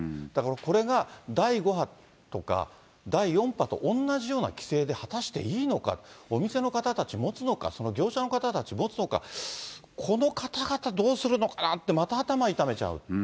だからこれが第５波とか、第４波と同じような規制で果たしていいのか、お店の方たちもつのか、その業者の方たちもつのか、この方々、どうするのかなってまた頭痛めちゃう。